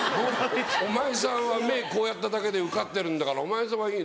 お前さんは目こうやっただけで受かってるんだからお前さんはいい。